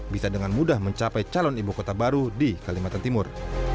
bisa dengan mudah mencapai calon ibu kota baru di kalimantan timur